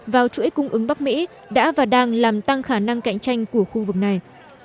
vào chuỗi cung ứng bắc mỹ đã và đang làm tăng khả năng cạnh tranh của khu vực này